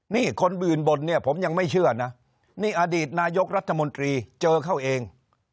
นี่คนอื่นบ่นเนี่ยผมยังไม่เชื่อนะนี่อดีตนายกรัฐมนตรีเจอเขาเอง